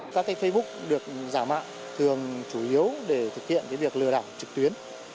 các facebook được giả mạo thường chủ yếu để thực hiện việc lừa đảo trực tuyến